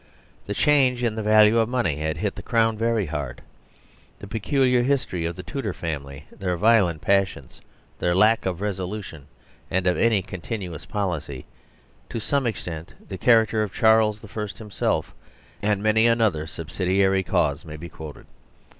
The change in the value of money had hit the 66 THE DISTRIBUTIVE FAILED Crown very hard ;* the peculiar history of the Tudor family, their violent passions, their lack of resolution and of any continuous policy, to some extent the character of Charles I. himself, and many another subsidiary cause may be quoted.